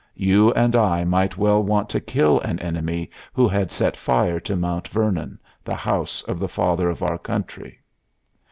You and I might well want to kill an enemy who had set fire to Mount Vernon, the house of the Father of our Country.